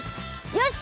よし！